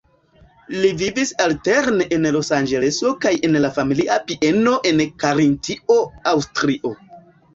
Li vivis alterne en Losanĝeleso kaj en la familia bieno en Karintio, Aŭstrio.